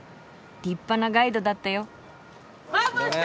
立派なガイドだったよ。